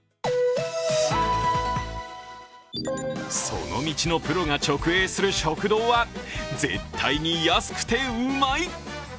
その道のプロが直営する食堂は絶対に安くてうまい！